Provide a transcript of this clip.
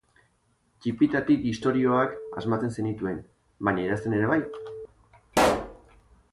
Ttipitatik istorioak asmatzen zenituen, baina idazten ere bai?